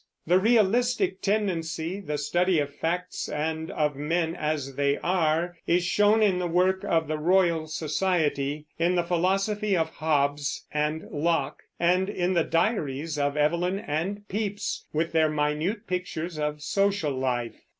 The realistic tendency, the study of facts and of men as they are, is shown in the work of the Royal Society, in the philosophy of Hobbes and Locke, and in the diaries of Evelyn and Pepys, with their minute pictures of social life.